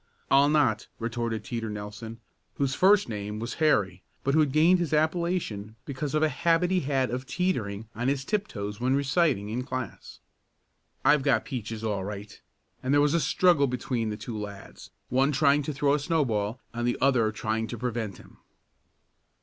"I'll not," retorted "Teeter" Nelson, whose first name was Harry, but who had gained his appellation because of a habit he had of "teetering" on his tiptoes when reciting in class. "I've got Peaches all right," and there was a struggle between the two lads, one trying to throw a snowball, and the other trying to prevent him.